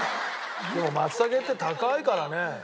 でもマツタケって高いからね。